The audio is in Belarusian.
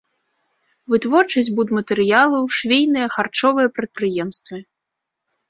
Вытворчасць будматэрыялаў, швейныя, харчовыя прадпрыемствы.